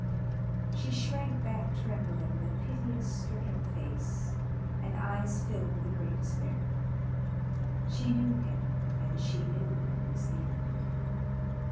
She shrank back trembling, with piteous, stricken face and eyes filled with a great despair. She knew him and she knew it was the end.